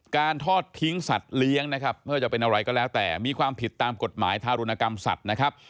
ทอดทิ้งสัตว์เลี้ยงนะครับไม่ว่าจะเป็นอะไรก็แล้วแต่มีความผิดตามกฎหมายทารุณกรรมสัตว์นะครับ